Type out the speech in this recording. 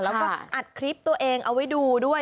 แล้วก็อัดคลิปตัวเองเอาไว้ดูด้วย